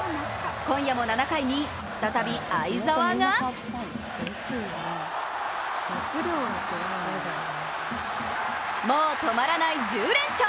今夜も７回に再び會澤がもう止まらない、１０連勝。